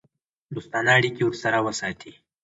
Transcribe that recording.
دوستانه اړیکې ورسره وساتي.